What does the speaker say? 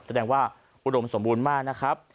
แสดงว่าอุดมสมบูรณ์มากนะครับ